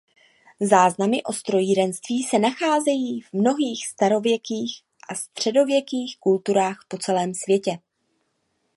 Záznamy o strojírenství se nacházejí v mnohých starověkých a středověkých kulturách po celém světě.